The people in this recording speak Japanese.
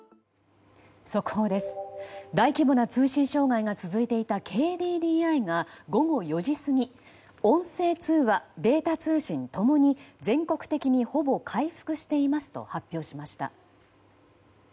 大規模な通信障害が続いていたＫＤＤＩが午後４時過ぎ音声通話、データ通信共に全国的にほぼ回復していますと発表しました。